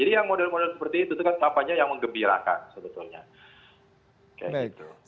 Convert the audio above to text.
jadi yang model model seperti itu kan tampaknya yang mengembirakan sebetulnya